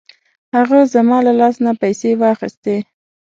هغه زما له لاس نه پیسې واخیستې.